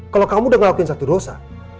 kalau kamu udah ngelakuin satu dosa